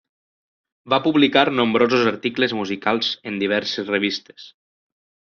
Va publicar nombrosos articles musicals en diverses revistes.